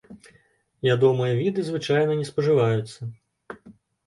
Ядомыя віды звычайна не спажываюцца.